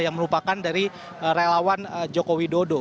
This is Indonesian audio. yang merupakan dari relawan jokowi dodo